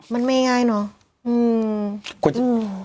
มันไม่ง่ายเนอะ